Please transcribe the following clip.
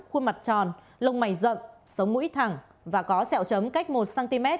khuôn mặt tròn lông mảnh rậm sống mũi thẳng và có sẹo thẳng cách một cm